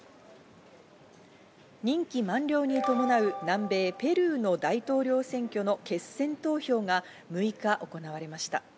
任期満了に伴う南米ペルーの大統領選挙の決選投票が６日行われました。